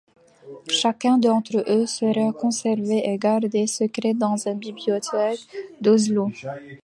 Chacun d'entre eux sera conservé et gardé secret dans une bibliothèque d'Oslo.